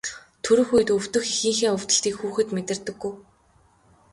Төрөх үед өвдөх эхийнхээ өвдөлтийг хүүхэд мэдэрдэг.